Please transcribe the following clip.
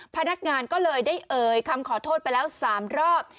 พนักงานก็เลยได้เอ่ยคำขอโทษไปแล้ว๓รอบ